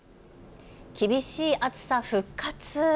厳しい暑さ復活！